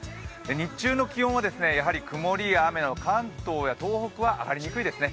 日中の気温は曇りや雨の関東や東北は上がりにくいですね。